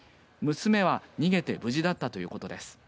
娘は逃げて無事だったということです。